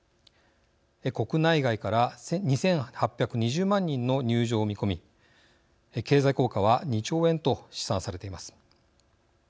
国内外から２８２０万人の入場を見込み経済効果は２兆円と試算されています。